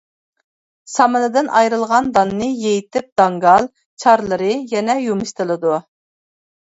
سامىنىدىن ئايرىلغان داننى يېيىتىپ داڭگال، چارلىرى يەنە يۇمشىتىلىدۇ.